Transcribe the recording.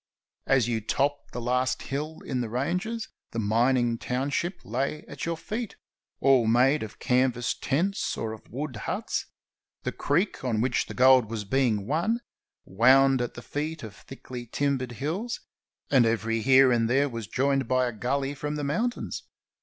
As you topped the last hill in the ranges, the mining township lay at your feet, all made of canvas tents or of wood huts. The creek, on which the gold was being won, wound at the feet of thickly timbered hills, and every here and there was joined by a gully from the mountains.